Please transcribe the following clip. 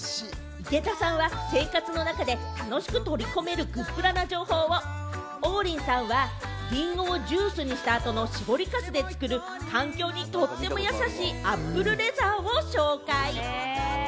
井桁さんは生活の中で楽しく取り込めるグップラな情報を王林さんは、りんごをジュースにした後の絞りかすで作る環境にとってもやさしいアップルレザーを紹介。